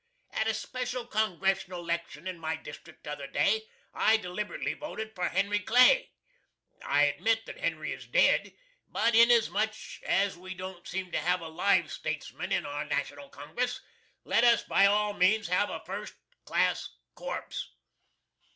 At a special Congressional 'lection in my district the other day I delib'ritly voted for Henry Clay. I admit that Henry is dead, but inasmuch as we don't seem to have a live statesman in our National Congress, let us by all means have a first class corpse.